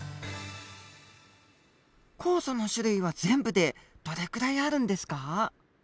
酵素の種類は全部でどれくらいあるんですか？